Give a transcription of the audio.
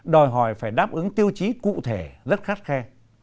đòi hỏi phải đáp ứng tiêu chí cụ thể rất khắt khe